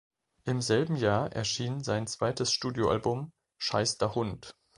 Im selben Jahr erschien sein zweites Studioalbum "Scheiß da Hund".